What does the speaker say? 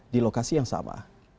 di lokasi yang sama